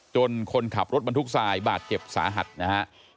จนคนขับรถบันทึกทรายบาดเก็บสาหัสนะครับ